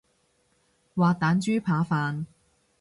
滑蛋豬扒飯